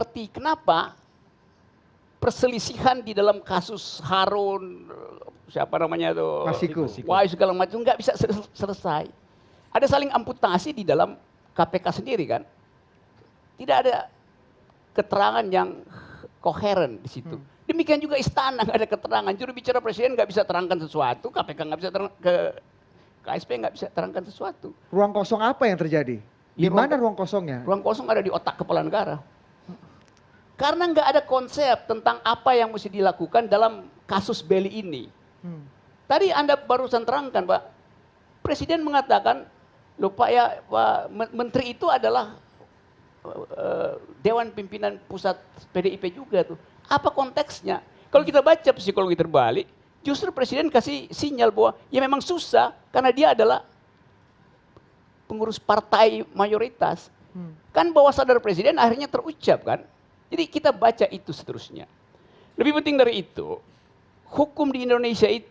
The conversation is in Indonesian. tapi bisa dikebiak biak gak sih bang bahwa ini perlu diragukan nih komitmen pemerintahan